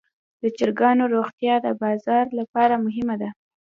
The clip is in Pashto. د چرګانو روغتیا د بازار لپاره مهمه ده.